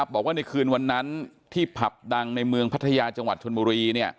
บอกว่าในคืนวันนั้นที่ผับดังในเมืองพัทยาจังหวัดชนบุรี